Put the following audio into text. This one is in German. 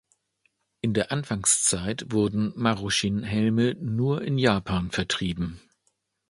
In der Anfangszeit wurden "Marushin"-Helme nur in Japan vertrieben.